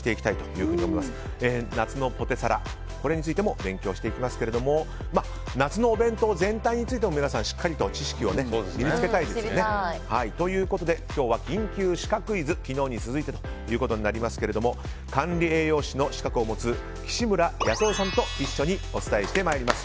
夏のポテサラ、これについても勉強していきますが夏のお弁当全体についても皆さん、しっかりと知識を身に着けたいですよね。ということで、今日は緊急シカクイズ昨日に続いてとなりますが管理栄養士の資格を持つ岸村康代さんと一緒にお伝えして参ります